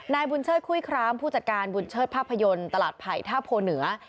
นายบุญเชิดคุ้ยครามผู้จัดการบุญเชิดภาพยนตร์ตลาดไผ่ท่าโพเหนือ